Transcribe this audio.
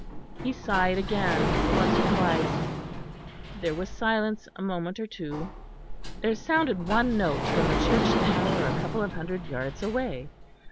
He sighed again once or twice. There was silence a moment or two. There sounded one note from the church tower a couple of hundred yards away.